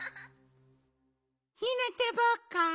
ひなたぼっこ。